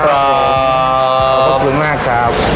ขอบคุณมากครับ